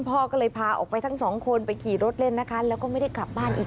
พ่อก็เลยพาออกไปทั้งสองคนไปขี่รถเล่นนะคะแล้วก็ไม่ได้กลับบ้านอีก